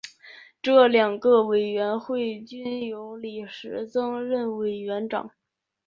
这两个委员会均由李石曾任委员长。